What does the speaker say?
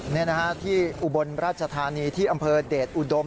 นี่นะฮะที่อุบลราชธานีที่อำเภอเดชอุดม